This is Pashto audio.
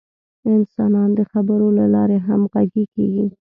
انسانان د خبرو له لارې همغږي کېږي.